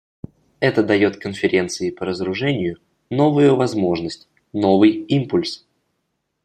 Это дает Конференции по разоружению новую возможность, новый импульс.